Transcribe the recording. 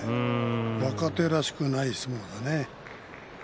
若手らしくない相撲だね。